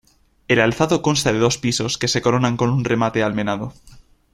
El alzado consta de dos pisos que se coronan con un remate almenado.